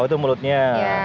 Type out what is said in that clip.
oh itu mulutnya